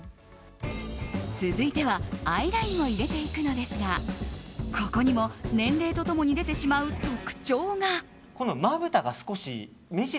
続いてはアイラインを入れていくのですがここにも年齢と共に出てしまう特徴が。